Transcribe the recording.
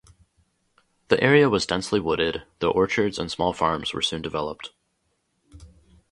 The area was densely wooded, though orchards and small farms were soon developed.